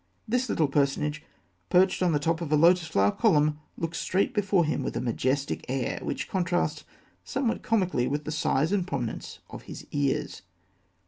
This little personage, perched on the top of a lotus flower column, looks straight before him with a majestic air which contrasts somewhat comically with the size and prominence of his ears.